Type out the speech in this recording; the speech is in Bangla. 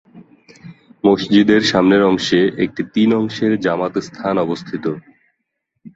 মসজিদের সামনের অংশে একটি তিন অংশের জামাত স্থান অবস্থিত।